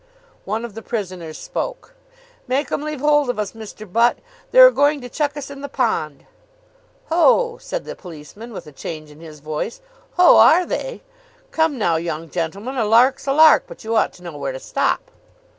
One of the prisoners spoke. "Make 'em leave hold of us, Mr. Butt. They're a going to chuck us in the pond." "Ho!" said the policeman, with a change in his voice. "Ho, are they? Come now, young gentleman, a lark's a lark, but you ought to know where to stop."